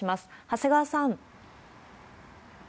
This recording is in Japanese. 長谷川さん。